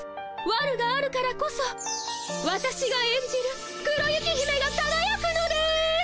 わるがあるからこそわたしが演じる黒雪姫がかがやくのです！